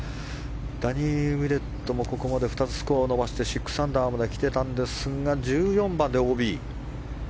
ダニエル・ウィレットもここまで２つスコアを伸ばして６アンダーまできていたんですが１４番でＯＢ。